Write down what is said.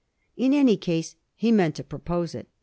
In any case he meant to propose it.